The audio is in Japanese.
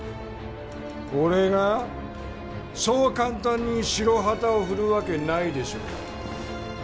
俺がそう簡単に白旗を振るわけないでしょうが。